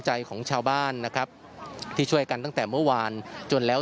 ใจของชาวบ้านนะครับที่ช่วยกันตั้งแต่เมื่อวานจนแล้ว